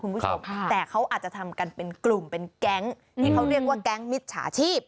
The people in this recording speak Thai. คุณผู้ชมแต่เขาอาจจะทำกันเป็นกลุ่มเป็นแก๊งที่เขาเรียกว่าแก๊งมิจฉาชีพ